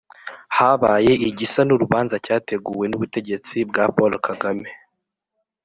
habaye igisa n'urubanza cyateguwe n'ubutegetsi bwa paul kagame